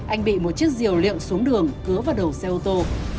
anh bị một chiếc diều liệu xuống đường cứa vào đầu xe ô tô